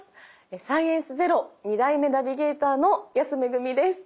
「サイエンスＺＥＲＯ」２代目ナビゲーターの安めぐみです。